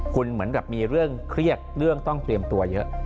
คุณเหมือนกับมีเรื่องเครียดเรื่องต้องเตรียมตัวเยอะ